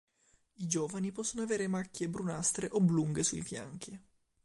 I giovani possono avere macchie brunastre oblunghe sui fianchi.